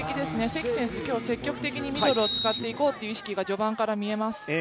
関選手、今日積極的にミドルを使っていこうという意識が序盤から見えます。